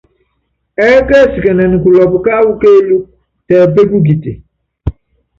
Ɛɛ́kɛsikɛnɛn kulɔpu káwú kéelúku tɛ pékukite.